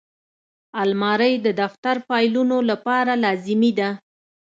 الماري د دفتر فایلونو لپاره لازمي ده